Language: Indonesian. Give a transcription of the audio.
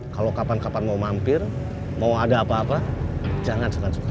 kalau kapan kapan mau mampir mau ada apa apa jangan suka